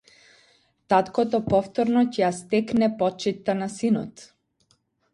Таткото повторно ќе ја стекне почитта на синот.